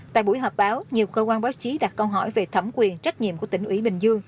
tại buổi họp báo nhiều cơ quan báo chí đặt câu hỏi về thẩm quyền trách nhiệm của tỉnh